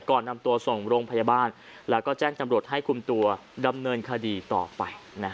ก่อนนำตัวส่งโรงพยาบาลแล้วก็แจ้งจำรวจให้คุมตัวดำเนินคดีต่อไป